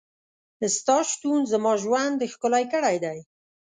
ستا شتون زما ژوند ښکلی کړی دی.